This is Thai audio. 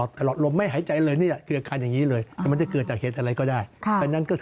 ทำให้หายใจขึ้นไปมันไม่ขึ้นไปที่สมอง